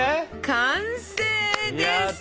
完成です！